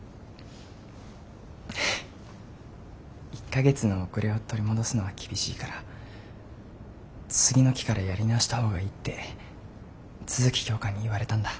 １か月の遅れを取り戻すのは厳しいから次の期からやり直した方がいいって都築教官に言われたんだ。